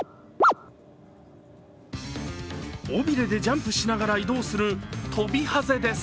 尾びれでジャンプしながら移動するトビハゼです。